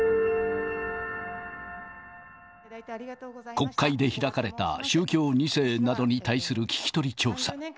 国会で開かれた、宗教２世などに対する聞き取り調査。